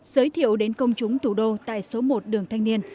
giới thiệu đến công chúng thủ đô tại số một đường thanh niên